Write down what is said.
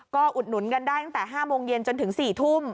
ก็อุดหนุนกันได้ตั้งแต่๕โมงเย็นจนถึง๔ทุ่ม